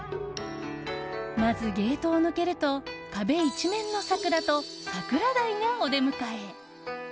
まず、ゲートを抜けると壁一面の桜とサクラダイがお出迎え。